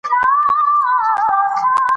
دا زموږ ویاړ دی.